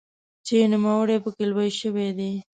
چې نوموړی پکې لوی شوی دی.